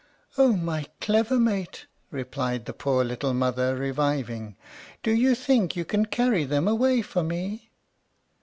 "Oh, my clever mate!" cried the poor little mother, reviving; "do you think you can carry them away for me?"